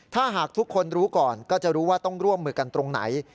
ถ้าหากทุกคนรู้ก่อนก็จะรู้ว่าต้องร่วมมือกันตรงไหน